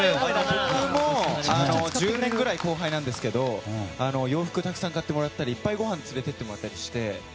僕も１０年ぐらい後輩なんですけど洋服をいっぱい買ってもらったりいっぱいごはんに連れて行ってもらったりして。